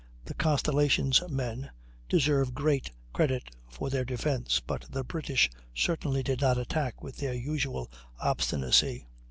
The Constellation's men deserve great credit for their defence, but the British certainly did not attack with their usual obstinacy.